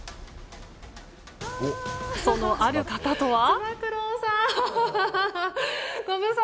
そのある方とは。